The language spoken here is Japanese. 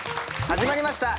始まりました